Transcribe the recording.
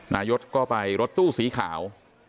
นายกก็ไปรถตู้สีขาว